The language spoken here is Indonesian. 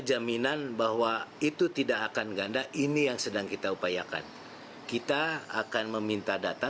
jaminan bahwa itu tidak akan ganda ini yang sedang kita upayakan kita akan meminta data